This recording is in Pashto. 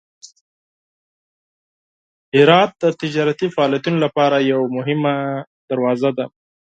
هرات د تجارتي فعالیتونو لپاره یوه مهمه دروازه ده.